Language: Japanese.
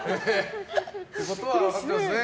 ってことは分かってますね。